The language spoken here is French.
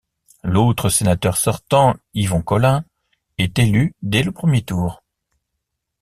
L'autre sénateur sortant, Yvon Collin, est élu dès le premier tour.